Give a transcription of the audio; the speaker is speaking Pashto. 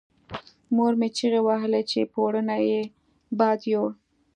مور مې چیغې وهلې چې پوړونی یې باد یووړ.